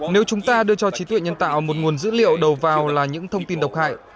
nếu chúng ta đưa cho trí tuệ nhân tạo một nguồn dữ liệu đầu vào là những thông tin độc hại